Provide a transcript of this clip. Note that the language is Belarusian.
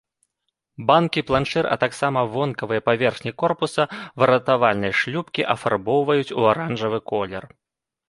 Банкі, планшыр, а таксама вонкавыя паверхні корпуса выратавальнай шлюпкі афарбоўваюць у аранжавы колер.